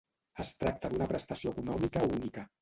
Es tracta d'una prestació econòmica única.